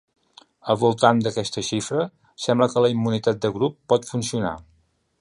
Al voltant d’aquesta xifra, sembla que la immunitat de grup pot funcionar.